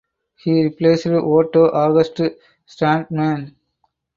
He replaced Otto August Strandman.